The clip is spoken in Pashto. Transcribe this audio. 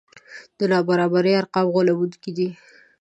د نابرابرۍ ارقام غولوونکي دي.